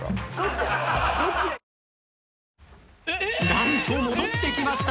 何と戻ってきました。